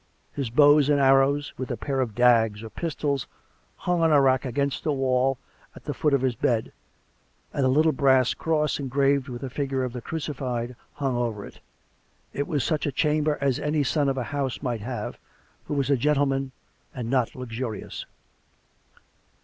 His bows and arrows, with a pair of dags or pistols, hung on a rack against the wall at the foot of his bed, and a little brass cross en graved with a figure of the Crucified hung over it. It was such a chamber as any son of a house might have, who was a gentleman and not luxurious.